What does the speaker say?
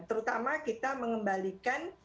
terutama kita mengembalikan